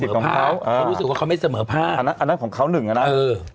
คือความไม่เสมอภาพคิดว่าเขาไม่เสมอภาพ